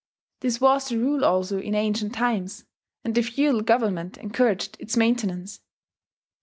This was the rule also in ancient times, and the feudal government encouraged its maintenance.